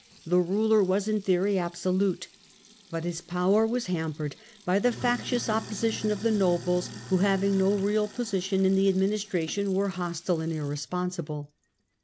The ruler was in theory absolute, but his power was ham pered by the factious opposition of the nobles, who having no real position in the administration were hostile and ir responsible.